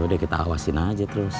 udah kita awasin aja terus